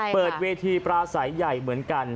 เปิดเวทีปลาใสใหม่เมืองกัน